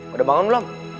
udah bangun belum